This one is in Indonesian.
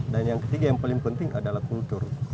dan yang ketiga yang paling penting adalah kultur